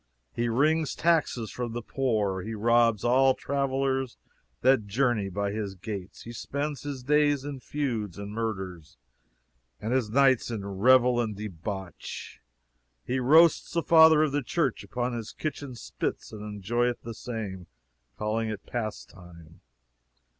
He wrings taxes from the poor; he robs all travelers that journey by his gates; he spends his days in feuds and murders, and his nights in revel and debauch; he roasts the fathers of the church upon his kitchen spits, and enjoyeth the same, calling it pastime.